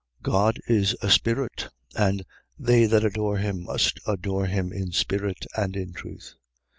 4:24. God is a spirit: and they that adore him must adore him in spirit and in truth.